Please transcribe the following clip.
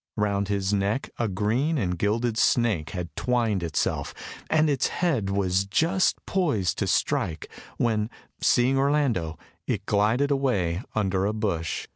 Round his neck a green and gilded snake had twined itself, and its head was just poised to strike, when, seeing Orlando, it glided away under a bush.